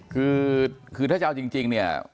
คือถ้าจะเอาจริงเนี่ย